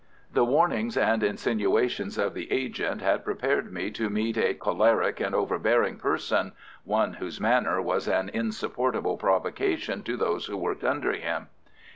The warnings and insinuations of the agent had prepared me to meet a choleric and overbearing person—one whose manner was an insupportable provocation to those who worked under him.